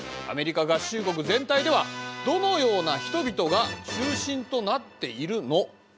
アメリカ合衆国全体ではどのような人々が中心となっているの？」。